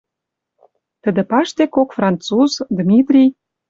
Тӹдӹ паштек кок француз, Димитрий